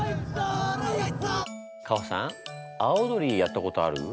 カホさんあわ踊りやったことある？